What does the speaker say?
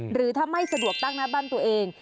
หรือถ้าไม่สะดวกตั้งหน้าบ้านตัวเอง